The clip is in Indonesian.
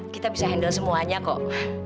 kita bisa handle semuanya kok